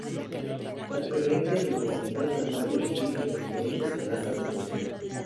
Las preferencias del consumidor le permiten elegir entre diferentes canastas de consumo.